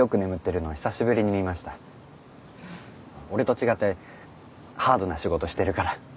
俺と違ってハードな仕事してるから。